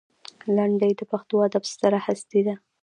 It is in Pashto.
لنډۍ د پښتو ادب ستره هستي ده.